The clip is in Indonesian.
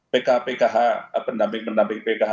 pk pkh pendamping pendamping pkh